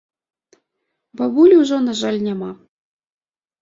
Бабулі ўжо, на жаль, няма.